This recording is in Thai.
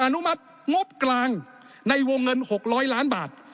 อนุมัติงบกลางในวงเงิน๖๐๐ล้านบาท